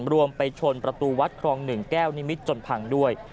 รวมไปชนประตูวัดครอง๑แก้วนิมิตรจนพังด้วย